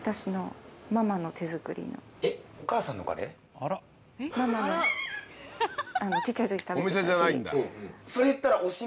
あのちっちゃい時食べてた味。